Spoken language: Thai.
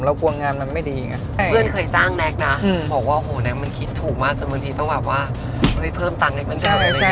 เรากลัวงานมันไม่ดีไง